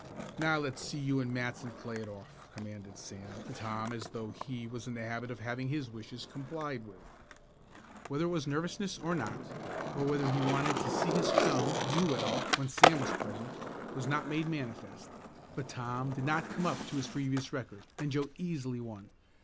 "Now, let's see you and Matson play it off," commanded Sam to Tom as though he was in the habit of having his wishes complied with. Whether it was nervousness or not, or whether he wanted to see his chum do well when Sam was present, was not made manifest, but Tom did not come up to his previous record, and Joe easily won.